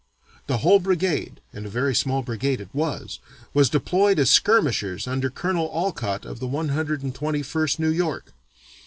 The whole brigade (and a very small brigade it was) was deployed as skirmishers under Colonel Olcott of the One Hundred and Twenty first New York.